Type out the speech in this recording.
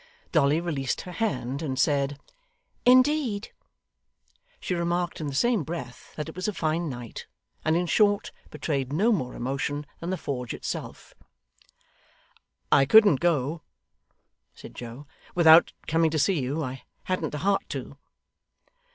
Dolly released her hand and said 'Indeed!' She remarked in the same breath that it was a fine night, and in short, betrayed no more emotion than the forge itself. 'I couldn't go,' said Joe, 'without coming to see you. I hadn't the heart to.